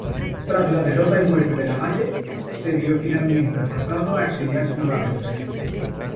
Tras la derrota y muerte de Lavalle, se vio finalmente forzado a exiliarse nuevamente.